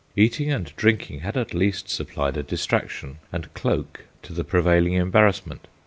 Eating and drinking had at least supplied a distraction and cloak to the prevailing embarrassment.